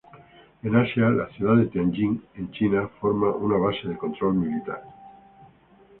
En Asia la ciudad de Tianjin en China formó una base de control militar.